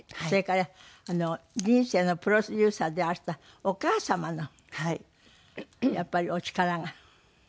それから人生のプロデューサーでいらしたお母様のやっぱりお力が。